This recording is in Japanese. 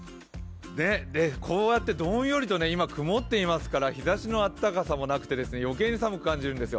こうやってどんよりと今、曇っていますから日ざしの暖かさもなくて余計に寒く感じるんですよ。